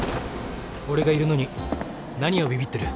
俺がいるのに何をビビってる。